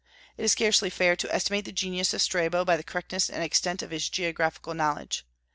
It is scarcely fair to estimate the genius of Strabo by the correctness and extent of his geographical knowledge.